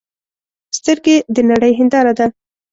سترګې د نړۍ هنداره ده